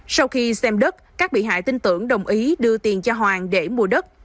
sau khi xem đất các bị hại tin tưởng đồng ý đưa tiền cho hoàng để mua đất